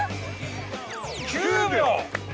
９秒！